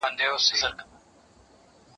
زه اوس د سبا لپاره د سوالونو جواب ورکوم